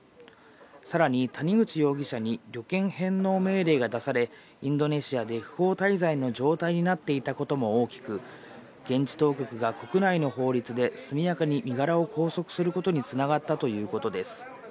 さらに谷口容疑者に旅券返納命令が出され、インドネシアで不法滞在の状態になっていたことも大きく、現地当局が国内の法律で速やかに身柄を拘束したことにつながったということです。